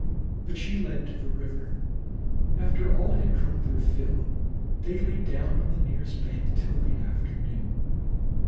But she led to the river. After all had drunk their fill they lay down on the nearest bank till late afternoon.